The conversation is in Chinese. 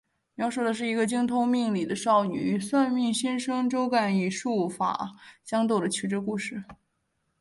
描述的是一个精通命理的少女与算命先生周干以术法相斗的曲折故事。